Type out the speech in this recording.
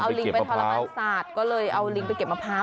ลิงไปทรมานศาสตร์ก็เลยเอาลิงไปเก็บมะพร้าว